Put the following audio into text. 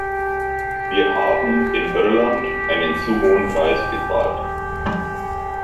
Wir haben in Irland einen zu hohen Preis gezahlt.